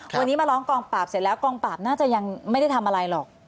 วันนี้มาร้องกองปราบเสร็จแล้วกองปราบน่าจะยังไม่ได้ทำอะไรหรอก